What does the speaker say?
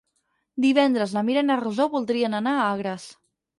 Divendres na Mira i na Rosó voldrien anar a Agres.